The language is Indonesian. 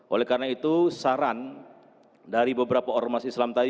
oleh karena itu saran dari beberapa ormas islam tadi